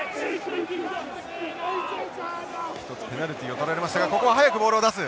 １つペナルティを取られましたがここは早くボールを出す。